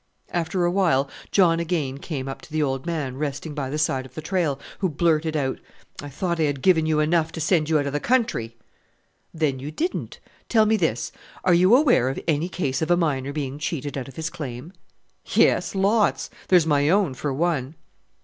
After a while John again came up to the old man resting by the side of the trail, who blurted out, "I thought I had given you enough to send you out of the country!" "Then you didn't. Tell me this, are you aware of any case of a miner being cheated out of his claim?" "Yes, lots. There's my own, for one."